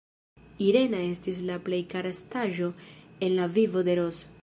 Irena estis la plej kara estaĵo en la vivo de Ros.